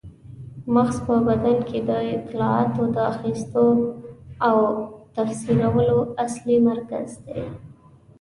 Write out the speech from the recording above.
مغز په بدن کې د اطلاعاتو د اخیستلو او تفسیرولو اصلي مرکز دی.